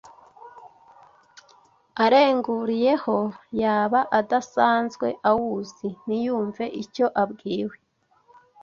arenguriyeho yaba adasanzwe awuzi ntiyumve icyo abwiwe